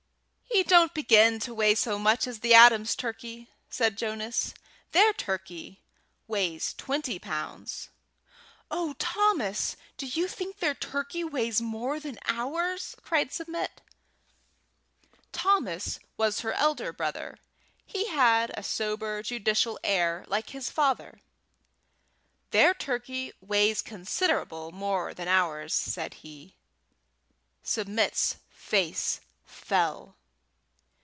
"He don't begin to weigh so much as the Adams' turkey," said Jonas. "Their turkey weighs twenty pounds." "Oh, Thomas! do you think their turkey weighs more than ours?" cried Submit. Thomas was her elder brother; he had a sober, judicial air like his father. "Their turkey weighs considerable more than ours," said he. Submit's face fell.